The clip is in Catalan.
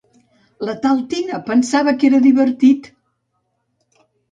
La tal Tina pensava que era divertit!